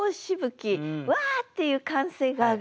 「うわ！」っていう歓声が上がる。